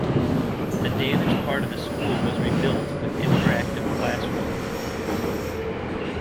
The damaged part of the school was rebuilt with interactive classrooms.